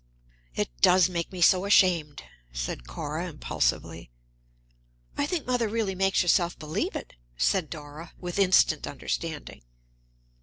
"It does make me so ashamed!" said Cora, impulsively. "I think mother really makes herself believe it," said Dora, with instant understanding.